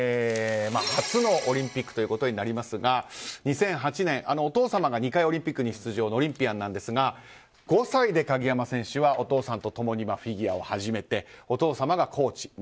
初のオリンピックになりますが２００８年お父様が２回オリンピック出場のオリンピアンなんですが５歳で鍵山選手はお父さんと共にフィギュアを始めてお父様がコーチ。